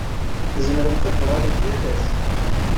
Tzemremt ad tuɣalemt yal ass.